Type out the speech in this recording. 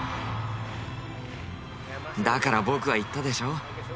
だから僕は言ったでしょう？